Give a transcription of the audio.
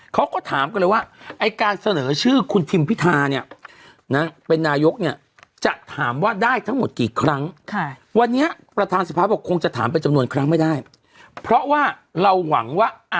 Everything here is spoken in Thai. เขาก็ถามกันเลยว่าการเสนอชื่อคุณทิมพิธาเป็นนายกจะถามว่าได้ทั้งหมดกี่ครั้ง